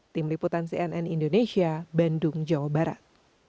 tim liputan cnn indonesia bandung jawa barat